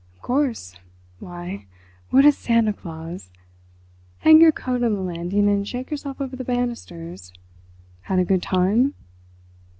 "Of course. Why, what a Santa Claus! Hang your coat on the landing and shake yourself over the banisters. Had a good time?"